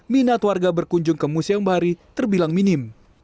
minat warga berkunjung ke museum bahari terbilang minim